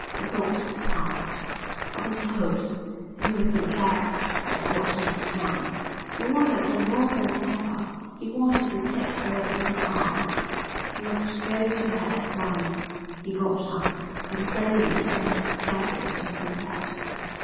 He thought of the past, and of his hopes, and he was aghast at what he had done. He wanted her more than ever. He wanted to take her in his arms. He must go to her at once. He got up. He was so weak that he staggered as he walked.